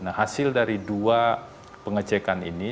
nah hasil dari dua pengecekan ini